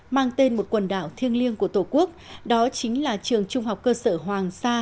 mang tên một quần đảo thiêng liêng của tổ quốc đó chính là trường trung học cơ sở hoàng sa